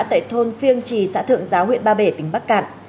tại thôn phiêng trì xã thượng giáo huyện ba bể tỉnh bắc cạn